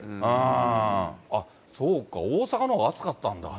あっ、そうか、大阪のほうが暑かったんだ。